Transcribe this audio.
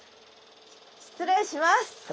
失礼します！